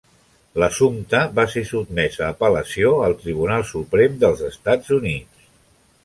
L'assumpte va ser sotmès a apel·lació al Tribunal Suprem del Estats Units.